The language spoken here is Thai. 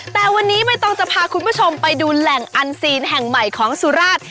แต่วันนี้ไม่ต้องจะพาคุณผู้ชมไปดูแหล่งอันซีนแห่งใหม่ของสุราช